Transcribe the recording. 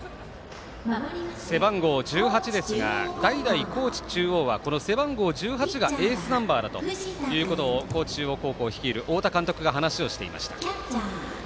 背番号１８ですが代々、高知中央はこの背番号１８がエースナンバーだということを高知中央を率いる太田監督が話をしていました。